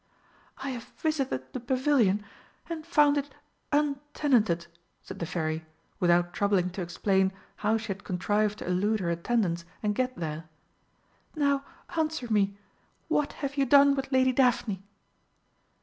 "I have visited the pavilion and found it untenanted," said the Fairy, without troubling to explain how she had contrived to elude her attendants and get there. "Now, answer me, what have you done with Lady Daphne?"